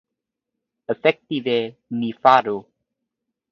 Efektive ni faru.